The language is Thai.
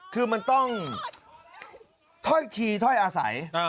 คือมันต้องถ้อยทีถ้อยอาศัย